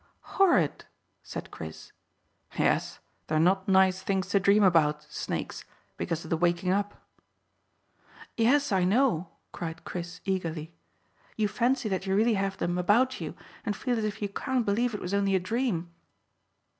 "Horrid!" said Chris. "Yes. They're not nice things to dream about snakes because of the waking up." "Yes, I know," cried Chris eagerly. "You fancy that you really have them about you, and feel as if you can't believe it was only a dream."